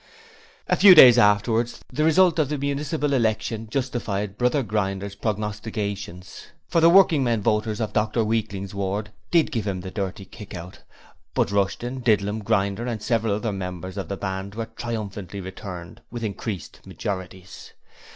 A few days afterwards the result of the municipal election justified Brother Grinder's prognostications, for the working men voters of Dr Weakling's ward did give him the dirty kick out: but Rushton, Didlum, Grinder and several other members of the band were triumphantly returned with increased majorities.